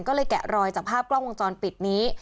ก็เลยแกะรอยจากภาพกล้องวงจรปิดนี้